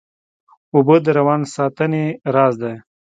اوبه د روان ساتنې راز دي